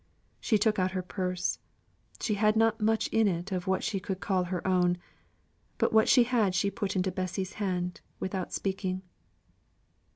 She took out her purse; she had not much in it of what she could call her own, but what she had she put into Bessy's hands without speaking.